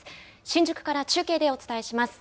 新宿から中継でお伝えします。